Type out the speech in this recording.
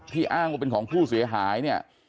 อ้างว่าเป็นของผู้เสียหายเนี่ย